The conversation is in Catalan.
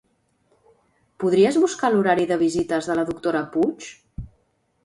Podries buscar l'horari de visites de la doctora Puig?